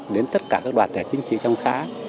đến tất cả các đoàn thể chính trị trong xã